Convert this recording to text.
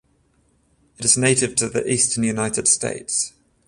It is native to the eastern United States.